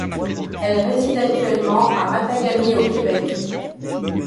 Elle réside actuellement à Matagami au Québec.